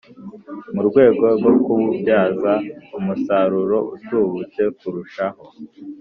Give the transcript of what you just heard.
mu rwego rwo kububyaza umusaruro utubutse kurushaho